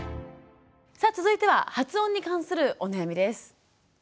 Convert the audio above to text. さあ続いては発音に関するお悩みです。